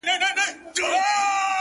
o دواړه لاسه يې کړل لپه؛